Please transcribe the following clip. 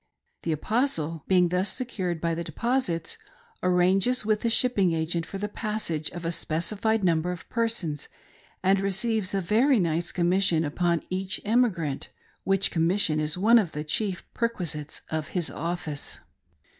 The Apostle, being thus secured by the deposits, arranges with the shipping agent for the passage of a specified number of persons, and receives a very nice commission upon each emi grant— which commission is one of the chief perquisites of his office.